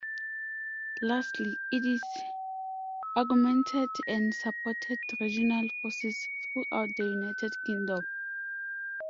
Lastly, it augmented and supported regional forces throughout the United Kingdom.